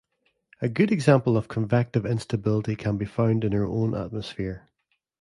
A good example of convective instability can be found in our own atmosphere.